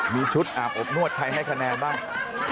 มีชุดอาบอบนวดใครให้คะแนนบ้าง